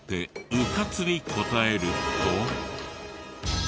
うかつに答えると。